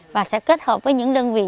và sẽ kết hợp với những đơn vị